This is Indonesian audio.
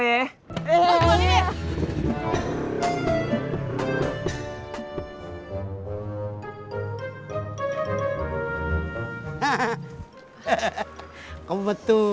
ya ampun po